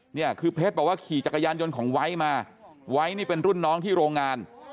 เนี่ยคือเพชรบอกว่าขี่จักรยานยนต์ของไวท์มาไว้นี่เป็นรุ่นน้องที่โรงงาน